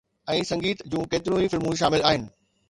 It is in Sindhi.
۽ سنگيت جون ڪيتريون ئي فلمون شامل آهن.